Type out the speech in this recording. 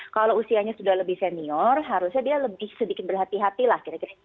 kalau usianya sudah lebih senior harusnya dia sedikit berhati hati lah